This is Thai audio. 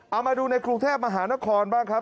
เอามาดูในกรุงเทพมหานครบ้างครับ